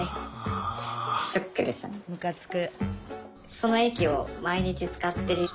むかつく。